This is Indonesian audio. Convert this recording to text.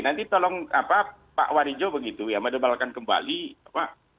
nanti tolong pak warijo begitu ya mendebalkan kembali apa